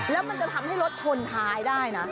แล้วมันจะทำให้รถชนท้ายได้นะ